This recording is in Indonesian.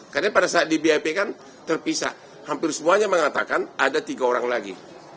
karena pada saat di bip kan terpisah hampir semuanya mengatakan ada tiga orang lagi